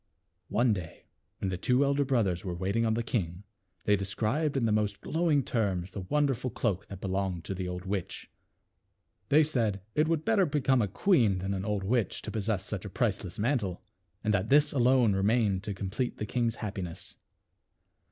One day when the two elder brothers were waiting on the king, they described in the most glowing terms the wonderful cloak that belonged to the old witch. They said, it would better be come a queen than an old witch, to possess such a priceless mantle, and that this alone remained to complete the king's happiness.